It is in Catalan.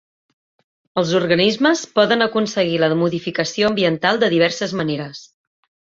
Els organismes poden aconseguir la modificació ambiental de diverses maneres.